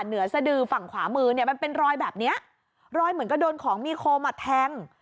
เหนือสดือฝั่งขวามือเนี่ยมันเป็นรอยแบบเนี้ยรอยเหมือนกับโดนของมีคมอ่ะแทง